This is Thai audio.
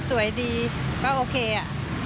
สวยดีก็โอเคอ่ะ